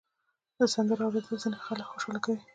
د سندرو اورېدل ځینې خلک خوشحاله کوي.